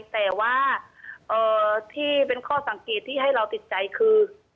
แต่ว่าที่เป็นข้อสังเกตที่ให้เราติดใจคือ